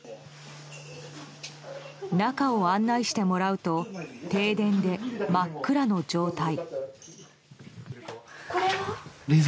中を案内してもらうと停電で真っ暗の状態。